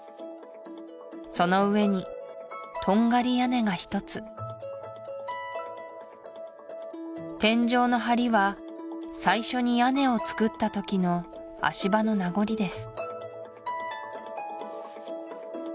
その上にトンガリ屋根が一つ天井の梁は最初に屋根をつくったときの足場の名残です